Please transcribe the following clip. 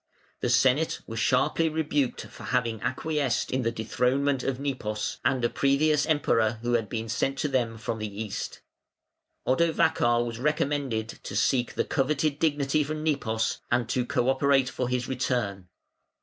The Senate were sharply rebuked for having acquiesced in the dethronement of Nepos, and a previous Emperor who had been sent to them from the East. Odovacar was recommended to seek the coveted dignity from Nepos, and to co operate for his return.